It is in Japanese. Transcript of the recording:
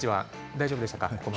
大丈夫でしたか？